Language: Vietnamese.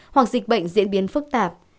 hoặc dịch bệnh diễn biến phức tạp